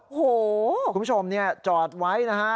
โอ้โหคุณผู้ชมจอดไว้นะฮะ